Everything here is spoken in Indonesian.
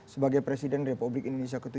sebagai presiden republik indonesia ke tujuh puluh